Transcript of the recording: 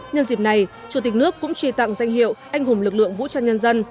nhân dịp này chủ tịch nước cũng truy tặng danh hiệu anh hùng lực lượng vũ trang nhân dân